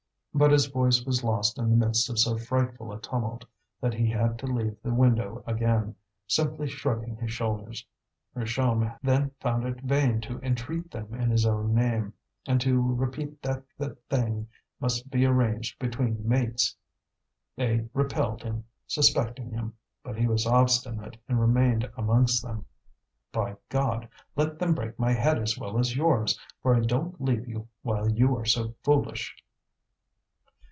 But his voice was lost in the midst of so frightful a tumult that he had to leave the window again, simply shrugging his shoulders. Richomme then found it vain to entreat them in his own name, and to repeat that the thing must be arranged between mates; they repelled him, suspecting him. But he was obstinate and remained amongst them. "By God! let them break my head as well as yours, for I don't leave you while you are so foolish!"